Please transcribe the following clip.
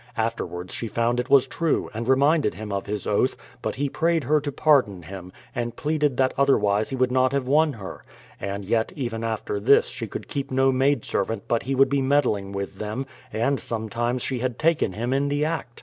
Afterwards she found it was true, and re minded him of his oath ; but he prayed her to pardon him, and pleaded that otherwise he would not have won her. And yet even after this she could keep no maid servant but he would be meddling with them, and sometimes she had taken him in the act.